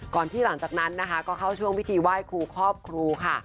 ที่หลังจากนั้นนะคะก็เข้าช่วงพิธีไหว้ครูครอบครูค่ะ